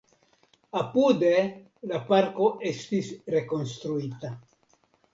Apude la parko estis rekonstruita.